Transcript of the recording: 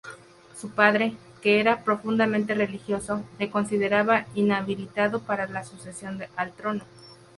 Su padre, que era profundamente religioso, le consideraba inhabilitado para la sucesión al trono.